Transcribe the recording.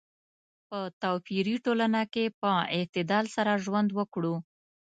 په توپیري ټولنه کې په اعتدال سره ژوند وکړو.